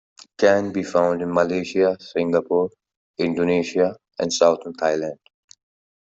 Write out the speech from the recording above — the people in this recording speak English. It can be found in Malaysia, Singapore, Indonesia and Southern Thailand.